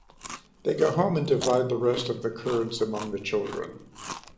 They go home and divide the rest of the curds among the children.